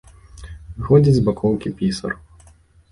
Выходзіць з бакоўкі пісар.